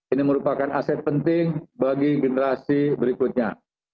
ini merupakan aset penting bagi generasi berikutnya